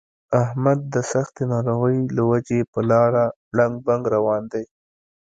احمد د سختې ناروغۍ له وجې په لاره ړنګ بنګ روان دی.